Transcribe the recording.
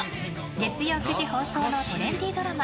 月曜９時放送のトレンディードラマ